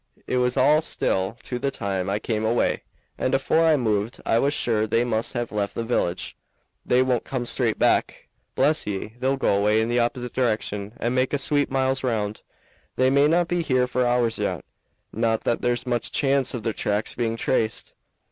"It was all still to the time I came away, and afore I moved I was sure they must have left the village. They won't come straight back, bless ye; they'll go 'way in the opposite direction and make a sweep miles round. They may not be here for hours yet; not that there's much chance of their tracks being traced.